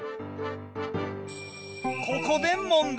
ここで問題。